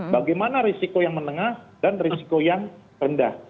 bagaimana risiko yang menengah dan risiko yang rendah